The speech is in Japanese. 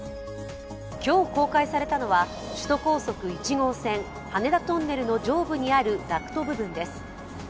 今日公開されたのは首都高速１号線羽田トンネルの上部にあるダクト部分です。